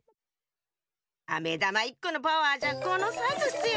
あめだま１このパワーじゃこのサイズっすよ。